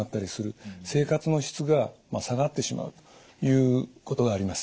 生活の質が下がってしまうということがあります。